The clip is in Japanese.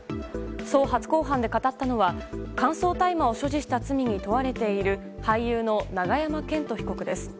そう初公判で語ったのは乾燥大麻を所持した罪に問われている俳優の永山絢斗被告です。